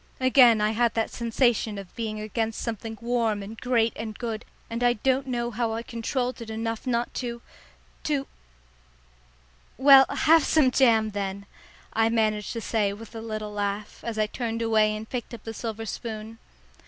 Again I had that sensation of being against something warm and great and good, and I don't know how I controlled it enough not to to "Well, have some jam then," I managed to say with a little laugh, as I turned away and picked up the silver spoon.